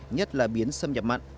nhất là biến xâm nhập mặn